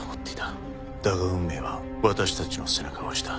だが運命は私たちの背中を押した。